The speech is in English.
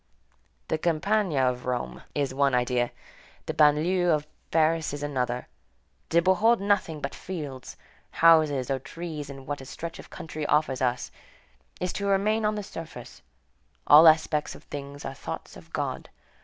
The campagna of Rome is one idea, the banlieue of Paris is another; to behold nothing but fields, houses, or trees in what a stretch of country offers us, is to remain on the surface; all aspects of things are thoughts of God.